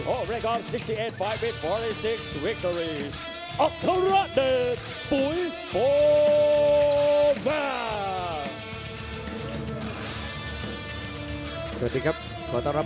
ภารกิจสุดท้ายภารกิจสุดท้ายภารกิจสุดท้าย